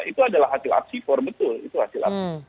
itu adalah hasil apsifor betul